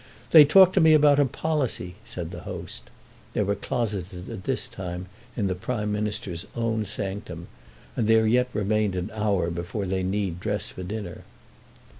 "They talk to me about a policy," said the host. They were closeted at this time in the Prime Minister's own sanctum, and there yet remained an hour before they need dress for dinner.